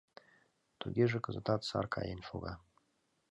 Тугеже кызытат сар каен шога.